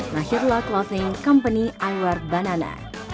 mahirlah clothing company iwer banana